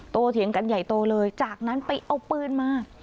เถียงกันใหญ่โตเลยจากนั้นไปเอาปืนมา